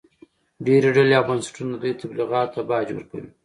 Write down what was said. ډېرې ډلې او بنسټونه د دوی تبلیغاتو ته باج ورکوي